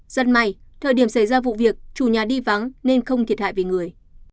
rất may thời điểm xảy ra vụ việc chủ nhà đi vắng nên không thiệt hại về người